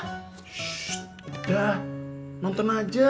shhh udah nonton aja